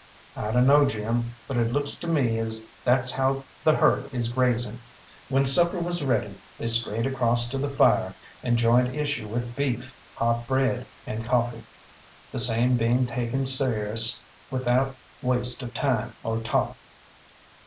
"I dunno, Jim, but it looks to me as that's how the herd is grazing." When supper was ready they strayed across to the fire and joined issue with beef, hot bread, and coffee, the same being taken serious without waste of time or talk.